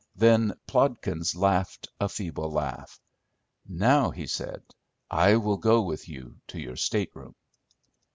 Then Plodkins laughed a feeble laugh. "Now," he said, "I will go with you to your state room."